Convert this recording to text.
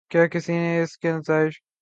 کیا کسی نے اس کے نتائج پر غور کیا ہے؟